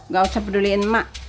gak usah peduliin mak